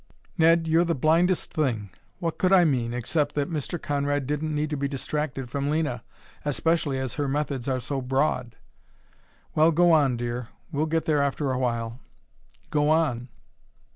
"Ned, you're the blindest thing! What could I mean except that Mr. Conrad didn't need to be distracted from Lena, especially as her methods are so broad?" "Well, go on, dear. We'll get there after a while." "Go on!